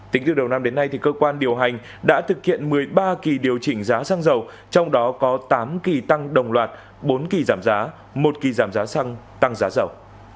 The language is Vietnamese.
tính từ đầu năm đến nay cơ quan điều hành đã thực hiện một mươi ba kỳ điều chỉnh giá xăng dầu trong đó có tám kỳ tăng đồng loạt bốn kỳ giảm giá một kỳ giảm giá xăng tăng giá dầu